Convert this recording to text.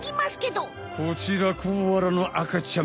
こちらコアラのあかちゃん。